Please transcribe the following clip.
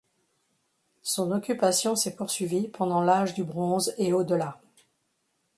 Son occupation s'est poursuivie pendant l'âge du bronze et au-delà.